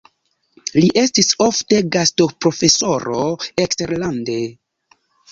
Li estis ofte gastoprofesoro eksterlande.